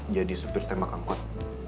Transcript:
jadi supir tembak angkot